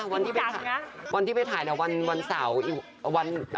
วันที่ไปถ่ายเนี่ยวันเสาร์